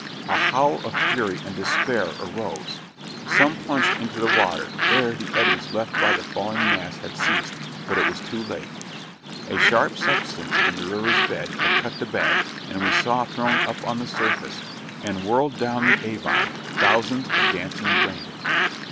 A howl of fury and despair arose. Some plunged into the water, ere the eddies left by the falling mass had ceased but it was too late. A sharp substance in the river's bed had cut the bag, and we saw thrown up to the surface, and whirled down the Avon, thousands of dancing grains.